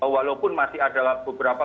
walaupun masih ada beberapa